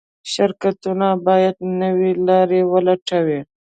شرکتونه باید نوې لارې ولټوي.